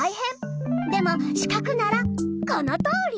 でもしかくならこのとおり！